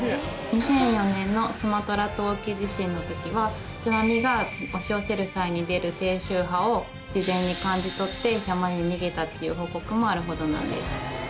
２００４年のスマトラ島沖地震のときは、津波が押し寄せる際に出る低周波を事前に感じ取って、山に逃げたという報告もあるほどなんです。